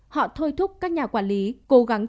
họ thôi thúc các nhà quản lý cố gắng